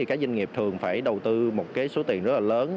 các doanh nghiệp thường phải đầu tư một số tiền rất là lớn